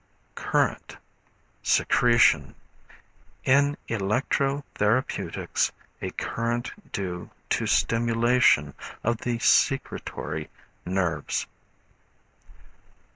Current, Secretion. In electro therapeutics, a current due to stimulation of the secretory nerves.